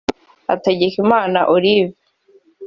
Hategekimana Olive